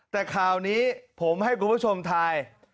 แต่คราวนี้ผมให้กลุ่มผู้ชมถ่าย